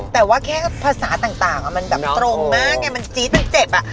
แต่ว่าแค่ภาษาต่างมันแบบตรงมากไงมันจี๊ดมันเจ็บอ่ะ